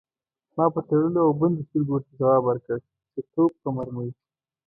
ما په تړلو او بندو سترګو ورته ځواب ورکړ: د توپ په مرمۍ.